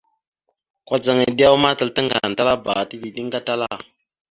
Kudzaŋ edewa ma, atal tàŋganatalaba ata dideŋ gatala.